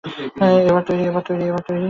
এবার, তৈরি?